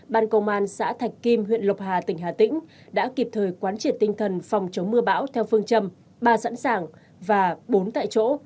ban công an xã thạch kim huyện lộc hà tỉnh hà tĩnh đã kịp thời quán triển tinh thần phòng chống mưa bão theo phương châm ba sẵn sàng và bốn tại chỗ